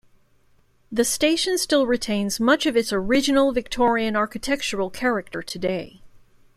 The station still retains much of its original Victorian architectural character today.